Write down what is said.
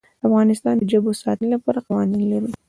افغانستان د ژبو د ساتنې لپاره قوانین لري.